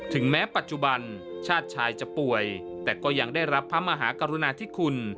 ถึงแม้ปัจจุบันชาติชายจะป่วยแต่ก็ยังได้รับพระมหากรุณาธิคุณ